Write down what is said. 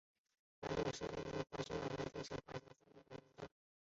滑雪是指利用滑雪板在雪地滑行的一种体育运动。